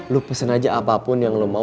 lu pesen aja apapun yang lo mau